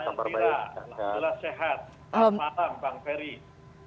selamat malam bang ferry